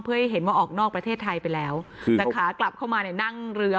เพื่อให้เห็นว่าออกนอกประเทศไทยไปแล้วแต่ขากลับเข้ามาเนี่ยนั่งเรือ